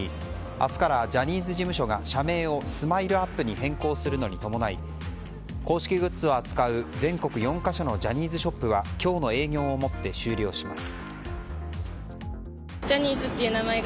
明日からジャニーズ事務所が社名をＳＭＩＬＥ‐ＵＰ．に変更するのに伴い公式グッズを扱う、全国４か所のジャニーズショップは今日の営業をもって終了します。